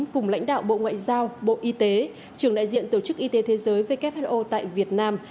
cùng lãnh đạo bộ ngoại giao bộ y tế trưởng đại diện tổ chức y tế thế giới who tại việt nam